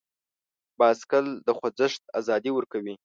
بایسکل د خوځښت ازادي ورکوي.